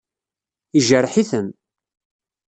Yejreḥ-iten.